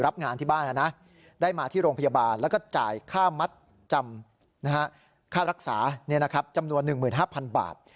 รับงานที่บ้านได้มาที่โรงพยาบาลแล้วก็จ่ายค่ามัดจำค่ารักษาจำนวน๑๕๐๐๐บาท